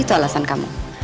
itu alasan kamu